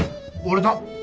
俺だ！